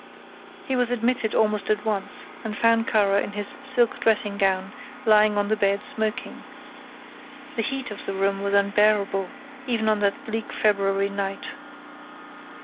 He was admitted almost at once and found Kara in his silk dressing gown lying on the bed smoking. The heat of the room was unbearable even on that bleak February night.